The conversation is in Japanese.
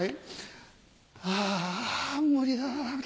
ああ無理だ。